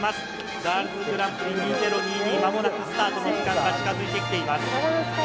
ガールズグランプリ２０２２、間もなくスタートの時間が近づいてきています。